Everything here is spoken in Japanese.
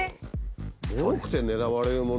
ボロくて狙われるもの？